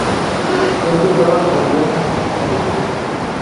Él tocaba acordeón con destreza.